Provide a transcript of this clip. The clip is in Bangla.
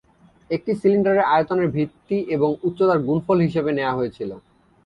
একটি সিলিন্ডারের আয়তনের ভিত্তি এবং উচ্চতার গুণফল হিসাবে নেওয়া হয়েছিল।